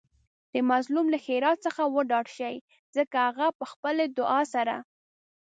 د مظلوم له ښیرا څخه وډار شئ ځکه هغه په خپلې دعاء سره